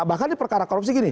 bahkan di perkara korupsi gini